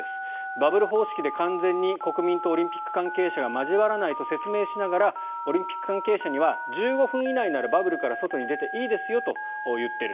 バブル方式で完全に国民とオリンピック関係者が交わらないと説明しながらオリンピック関係者には１５分以内ならバブルから外に出ていいですよと言っている。